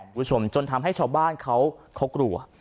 คุณผู้ชมจนทำให้ชาวบ้านเขากลัว